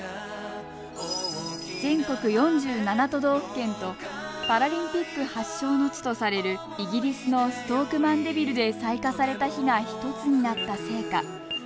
全国４７都道府県とパラリンピック発祥の地とされるイギリスのストーク・マンデビルで採火された火が１つになった聖火。